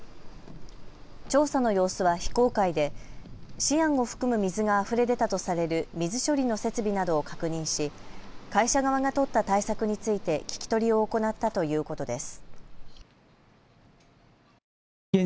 調査の様子は非公開でシアンを含む水があふれ出たとされる水処理の設備などを確認し会社側が取った対策について聞き取りを行ったということです。